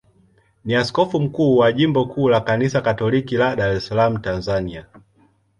ni askofu mkuu wa jimbo kuu la Kanisa Katoliki la Dar es Salaam, Tanzania.